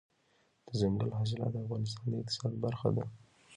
دځنګل حاصلات د افغانستان د اقتصاد برخه ده.